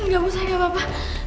enggak usah enggak apa apa